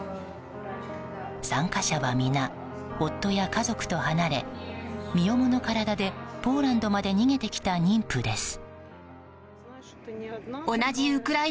参加者は皆、夫や家族と離れ身重の体で、ポーランドまで逃げてきた妊婦です。